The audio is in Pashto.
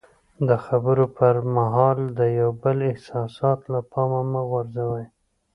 د خبرو پر مهال د یو بل احساسات له پامه مه غورځوئ.